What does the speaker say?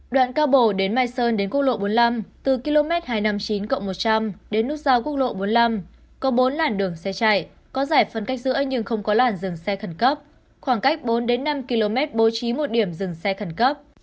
đoạn cao bồ đến mai sơn đến quốc lộ bốn mươi năm từ km hai trăm năm mươi chín cộng một trăm linh đến nút giao quốc lộ bốn mươi năm có bốn làn đường xe chạy có giải phân cách giữa nhưng không có làn dừng xe khẩn cấp khoảng cách bốn năm km bố trí một điểm dừng xe khẩn cấp